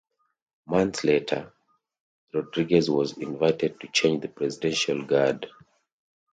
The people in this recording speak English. Months later, Rodriguez was invited to change the Presidential Guard.